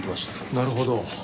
なるほど。